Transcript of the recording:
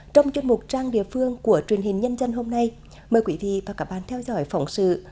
trong chuyên mục trang địa phương của truyền hình nhân dân hôm nay mời quý vị và các bạn theo dõi phỏng sự